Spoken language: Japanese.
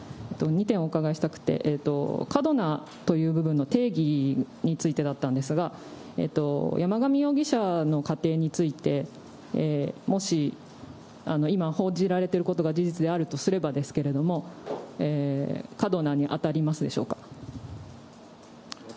２点お伺いしたくって、過度なという部分の定義についてだったんですが、山上容疑者の家庭について、もし今報じられていることが事実であるとすればですけれども、過度なに当たりますでしょうか。